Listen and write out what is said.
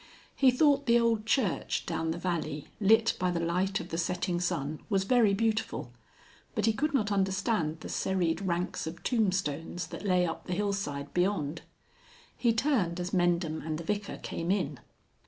He thought the old church down the valley lit by the light of the setting sun was very beautiful, but he could not understand the serried ranks of tombstones that lay up the hillside beyond. He turned as Mendham and the Vicar came in.